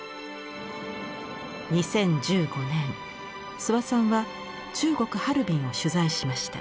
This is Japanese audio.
２０１５年諏訪さんは中国・ハルビンを取材しました。